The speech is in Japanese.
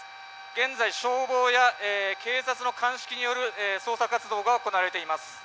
現在、消防や警察の鑑識による消火活動が行われています。